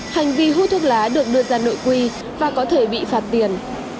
hành vi hút thuốc lá được đưa ra nội quy và có thể bị phạt tiền